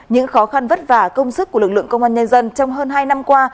những khó khăn vất vả công sức của lực lượng công an nhân dân trong hơn hai năm qua